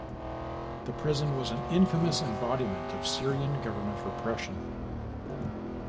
The prison was an infamous embodiment of Syrian government repression.